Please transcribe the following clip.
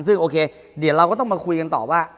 ซึ่งโอเคเดี๋ยวเราก็ต้องมาคุยกันต่อว่า